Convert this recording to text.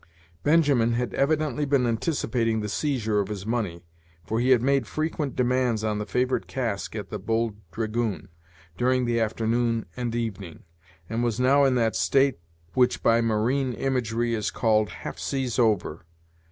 Benjamin had evidently been anticipating the seizure of his money, for he had made frequent demands on the favorite cask at the "Bold Dragoon," during the afternoon and evening, and was now in that state which by marine imagery is called "half seas over."